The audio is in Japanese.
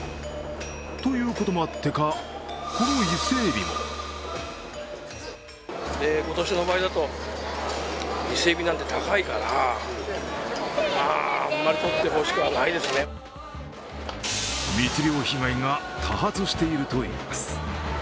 ということもあってか、この伊勢えびも密漁被害が多発しているといいます。